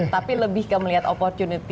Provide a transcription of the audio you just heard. tapi lebih ke melihat opportunity